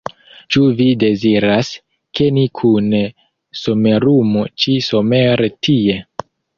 Ĉu vi deziras, ke ni kune somerumu ĉi-somere tie?